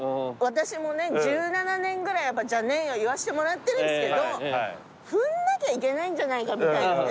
私もね１７年ぐらい「じゃねえよ」言わせてもらってるんですけどふんなきゃいけないんじゃないかみたいなね。